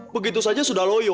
begitu saja sudah loyo